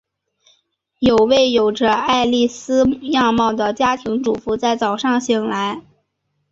有位有着艾莉丝样貌的家庭主妇在早上醒来。